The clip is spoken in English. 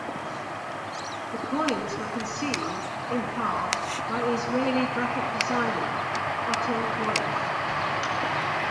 The coins were conceived, in part, by Israeli graphic designer Otte Wallish.